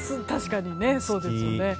確かにそうですね。